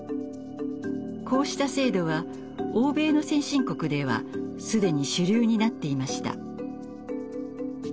こうした制度は欧米の先進国では既に主流になっていました。